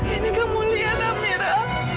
ini kamu lihat amira